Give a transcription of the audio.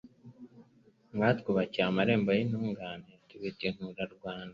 Mwatwubakiye amarembo y'intungane Tubita intura-Rwanda.